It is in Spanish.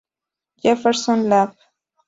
Jefferson Lab